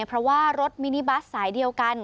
เพราะว่ารถมินิบัสสายเดียวกัน